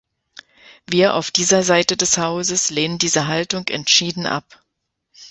Wir auf dieser Seite des Hauses lehnen diese Haltung entschieden ab.